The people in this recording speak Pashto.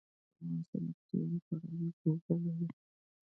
افغانستان د کوچیان په اړه علمي څېړنې لري.